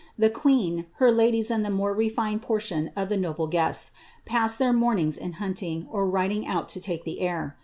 The queen, her ladies, he more refined portion of the noble guests, passed their mornings in ing, or riding out to take the air.